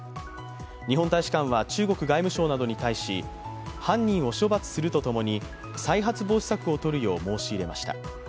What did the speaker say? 日本大使館は中国外務省などに対し犯人を処罰するとともに再発防止策をとるよう申し入れました。